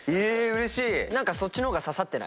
うれしい！